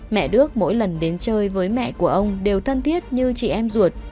mẹ đước mỗi lần đến chơi với mẹ của ông đều thân thiết như chị em ruột